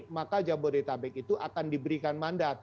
maka jabodetabek itu akan diberikan mandat